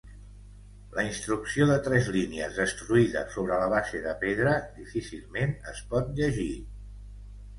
La instrucció de tres línies destruïda sobre la base de pedra difícilment es pot llegir.